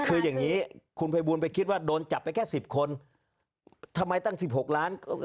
คืออย่างนี้คุณภัยบูลไปคิดว่าโดนจับไปแค่๑๐คนทำไมตั้ง๑๖ล้าน